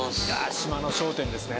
島の商店ですね。